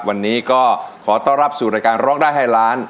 วันนี้ก็ขอต้อนรับสู่รายการร้องได้ให้ล้าน